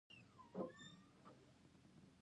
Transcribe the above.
ټول یو کتاب لري